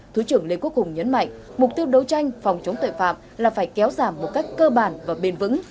thứ trưởng lê quốc hùng nhấn mạnh mục tiêu đấu tranh phòng chống tội phạm là phải kéo giảm một cách cơ bản và bền vững